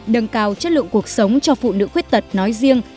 nâng cao chất lượng cuộc sống cho phụ nữ khuyết tật nói riêng